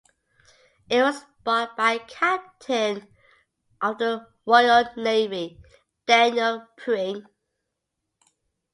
It was bought by a Captain of the Royal Navy, Daniel Pring.